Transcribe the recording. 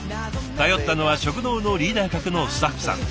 頼ったのは食堂のリーダー格のスタッフさん。